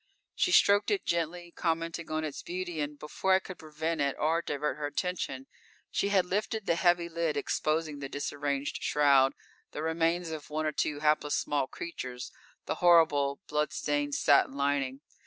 She stroked it gently, commenting on its beauty, and before I could prevent it or divert her attention, she had lifted the heavy lid exposing the disarranged shroud, the remains of one or two hapless small creatures, the horrible blood stained satin lining.